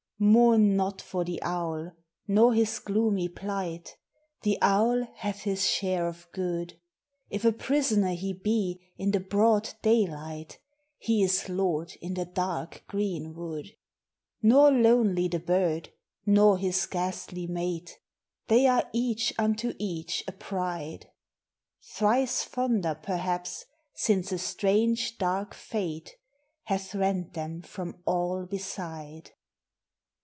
Mourn not for the owl, nor his gloomy plight! The owl hath his share of good: If a prisoner he be in the broad daylight, He is lord in the dark greenwood! Nor lonely the bird, nor his ghastly mate, They are each unto each a pride; Thrice fonder, perhaps, since a strange, dark fate Hath rent them from all beside!